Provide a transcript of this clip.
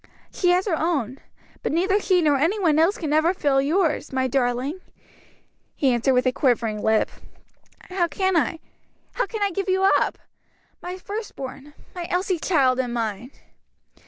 "She has her own; but neither she nor any one else can ever fill yours, my darling," he answered with a quivering lip. "How can I how can I give you up? my first born, my Elsie's child and mine."